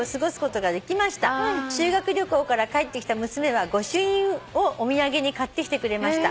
「修学旅行から帰ってきた娘は御朱印をお土産に買ってきてくれました」